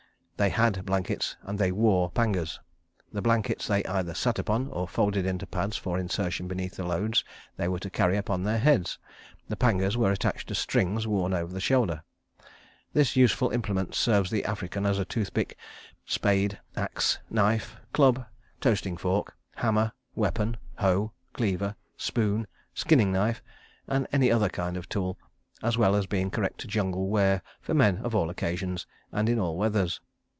They had blankets and they wore pangas. The blankets they either sat upon or folded into pads for insertion beneath the loads they were to carry upon their heads. The pangas were attached to strings worn over the shoulder. This useful implement serves the African as toothpick, spade, axe, knife, club, toasting fork, hammer, weapon, hoe, cleaver, spoon, skinning knife, and every other kind of tool, as well as being correct jungle wear for men for all occasions, and in all weathers.